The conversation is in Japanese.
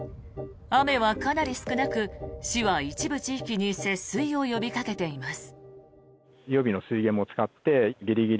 雨はかなり少なく市は一部地域に節水を呼びかけています。